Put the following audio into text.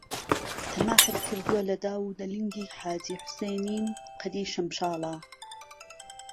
تهماحت کردووه له داو و دهلینگیحاجی حوسێنی و قەدی شمشاڵه